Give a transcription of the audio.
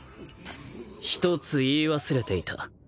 一つ言い忘れていた。